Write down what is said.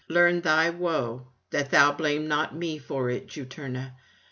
Learn thy woe, that thou blame not me for it, Juturna.